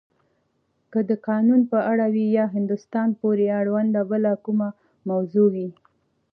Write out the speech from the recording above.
که د قانون په اړه وی یا هندوستان پورې اړونده بله کومه موضوع وی.